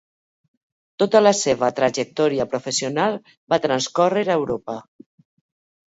Tota la seva trajectòria professional va transcórrer a Europa.